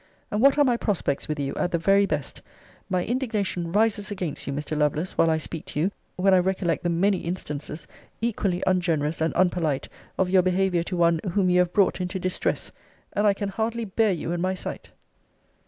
And what are my prospects with you, at the very best? My indignation rises against you, Mr. Lovelace, while I speak to you, when I recollect the many instances, equally ungenerous and unpolite, of your behaviour to one whom you have brought into distress and I can hardly bear you in my sight.